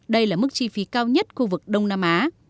đây là mức chi phí cao nhất khu vực đông nam á